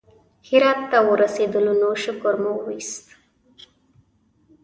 هرات ته ورسېدلو نو شکر مو وایست.